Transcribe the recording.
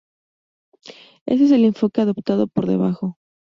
Este es el enfoque adoptado por debajo.